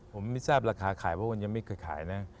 ผมไม่ทราบราคาขายเพราะมันยังไม่เคยขายนะ